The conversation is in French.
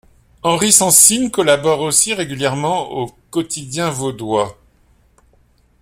Henri Sensine collabore aussi régulièrement aux quotidiens vaudois.